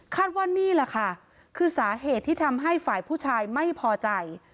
ว่านี่แหละค่ะคือสาเหตุที่ทำให้ฝ่ายผู้ชายไม่พอใจ